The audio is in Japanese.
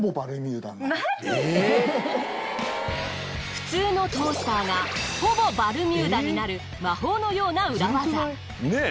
普通のトースターがほぼバルミューダになる魔法のような裏技。